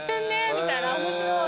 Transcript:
みたいな面白い！